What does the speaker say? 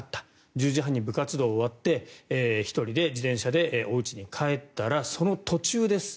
１０時半に部活動が終わって１人で自転車でおうちに帰ったらその途中です。